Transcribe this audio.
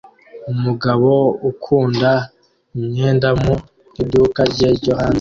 Umugabo ukunda imyenda mu iduka rye ryo hanze